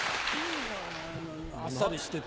あっさりしてて。